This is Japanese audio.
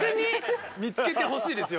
見つけてほしいですよ。